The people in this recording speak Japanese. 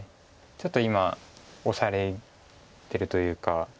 ちょっと今押されてるというか。